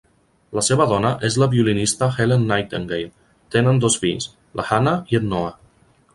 La seva dona és la violinista Helen Nightengale. Tenen dos fills, la Hanna i en Noah.